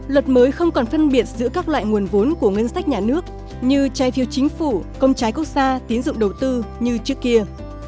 luật mới không còn phân biệt giữa các loại nguồn vốn của ngân sách nhà nước như trái phiêu chính phủ công trái quốc gia tín dụng đầu tư như trước kia